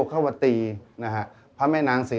ชื่องนี้ชื่องนี้ชื่องนี้ชื่องนี้